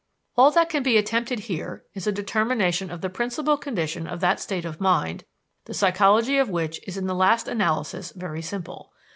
All that can be attempted here is a determination of the principal condition of that state of mind, the psychology of which is in the last analysis very simple.